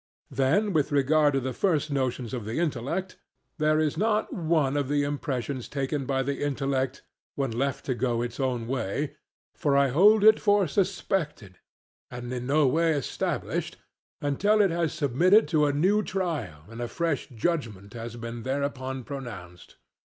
Then with regard to the first notions of the intellect; there is not one of the impressions taken by the intellect when left to go its own way, but I hold it for suspected, and no way established, until it has submitted to a new trial and a fresh judgment has been thereupon pronounced.